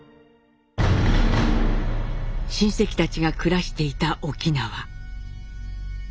親戚たちが暮らしていた沖縄。